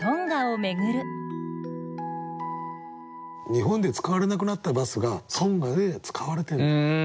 日本で使われなくなったバスがトンガで使われてんの。